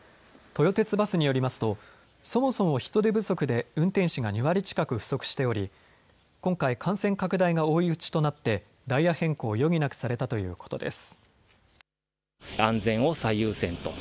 豊鉄バスによりますとそもそも人手不足で運転士が２割近く不足しており今回、感染拡大が追い打ちとなってダイヤ変更を余儀なくされたということです。